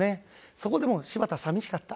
そこでも柴田は寂しかった。